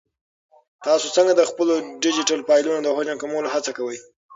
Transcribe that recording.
تاسو څنګه د خپلو ډیجیټل فایلونو د حجم د کمولو هڅه کوئ؟